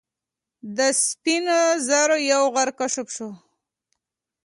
د سپین زرو یو غر کشف شو.